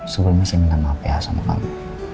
sebelumnya saya minta maaf ya sama kamu